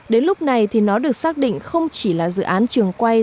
đến lúc này thì nó được xác định không chỉ là dự án trường quay